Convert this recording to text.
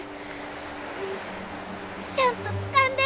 ちゃんとつかんで！